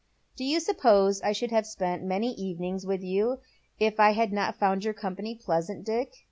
" Do you suppose I should have spent many evenings with you if I had not found your company pleasant, Dick